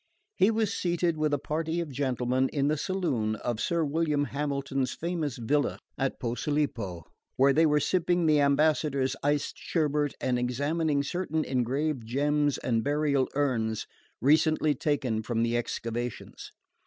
He was seated with a party of gentlemen in the saloon of Sir William Hamilton's famous villa of Posilipo, where they were sipping the ambassador's iced sherbet and examining certain engraved gems and burial urns recently taken from the excavations.